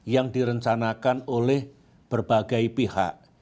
yang direncanakan oleh berbagai pihak